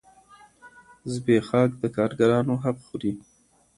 زبېښاک د کارګرانو حق خوري.